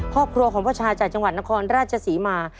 ครอบครัวของพ่อชาจากจังหวัดนครราชศรีมา